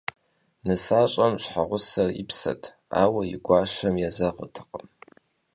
НысащӀэм щхьэгъусэр и псэт, ауэ и гуащэм езэгъыртэкъым.